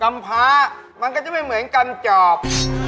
ำพ้ามันก็จะไม่เหมือนกันจอบ